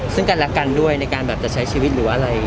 ซึ่งกันรักกันด้วยในการแบบจะใช้ชีวิตหรืออะไร